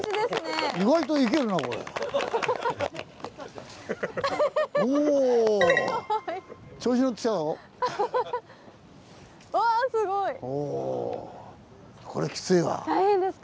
すごい。